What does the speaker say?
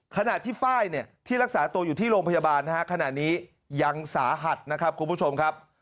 ขณะที่ไฟล์เนี่ยที่รักษาตัวอยู่ที่โรงพยาบาลขณะนี้ยังสาหัสนะครับคุณผู้ชมครับ